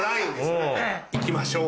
うん。いきましょう。